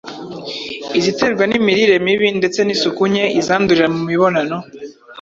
iziterwa n’imirire mibi ndetse n’isuku nke, izandurira mu mibonano